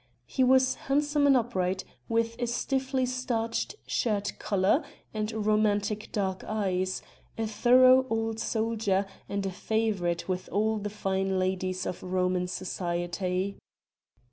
He was handsome and upright, with a stiffly starched shirt collar and romantic dark eyes a thorough old soldier and a favorite with all the fine ladies of Roman society.